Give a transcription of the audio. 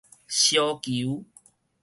燒球